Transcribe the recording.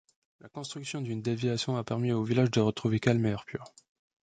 La construction d'une déviation a permis au village de retrouver calme et air pur.